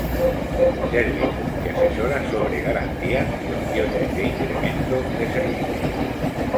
Services, que asesora sobre garantías y opciones de incremento de servicios.